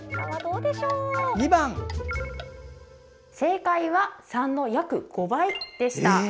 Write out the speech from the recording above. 正解は３の約５倍でした。